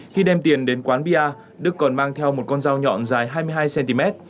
khi đem tiền đến quán bia đức còn mang theo một con dao nhọn dài hai mươi hai cm